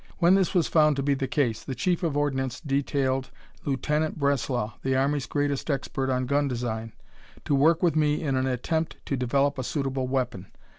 When this was found to be the case, the Chief of Ordnance detailed Lieutenant Breslau, the army's greatest expert on gun design, to work with me in an attempt to develop a suitable weapon.